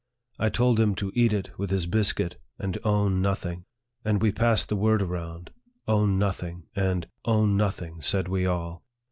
I told him to eat it with his biscuit, and own nothing ; and we passed the word around, " Own nothing ;" and " Own nothing !" said we all.